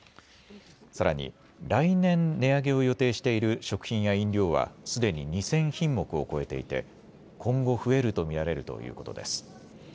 さらに来年値上げを予定している食品や飲料はすでに２０００品目を超えていて今後、増えると見られるということです。